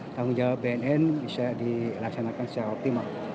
tanggung jawab bnn bisa dilaksanakan secara optimal